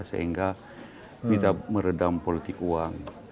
sehingga tidak meredam politik uang